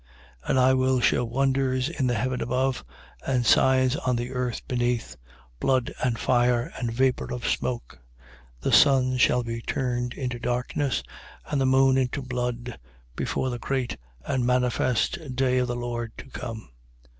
2:19. And I will shew wonders in the heaven above, and signs on the earth beneath: blood and fire, and vapour of smoke. 2:20. The sun shall be turned into darkness and the moon into blood, before the great and manifest day of the Lord to come.